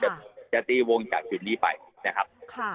จะตีวงจากจุดนี้ไปนะครับ